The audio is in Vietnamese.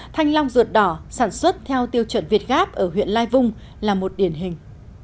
thanh long ruột đỏ sản xuất theo tiêu chuẩn việt gáp ở huyện lai vung là một điển hình